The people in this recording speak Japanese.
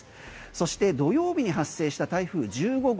そして土曜日に発生した台風１５号。